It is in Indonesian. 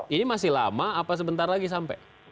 ini masih lama apa sebentar lagi sampai